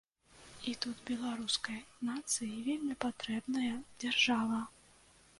І тут беларускай нацыі вельмі патрэбная дзяржава.